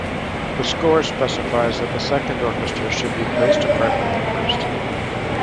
The score specifies that the second orchestra should be placed apart from the first.